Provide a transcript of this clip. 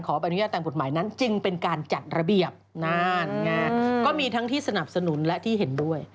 ก็มีทั้งที่สนับสนุนและที่เห็นด้วย